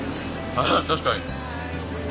あっ確かに。